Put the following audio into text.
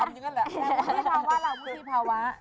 วุฒิภาวะล่ะวุฒิภาวะ